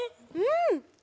うん！